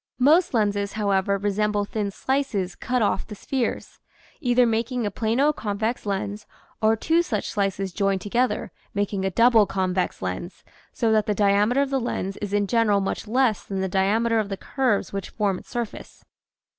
Most lenses, however, resemble thin slices cut off the spheres, either making a plano convex lens or two such slices joined together, making a double convex lens, so that the diameter of the lens is in general much less than the diameter of the curves which form its surface.